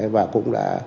và cũng đã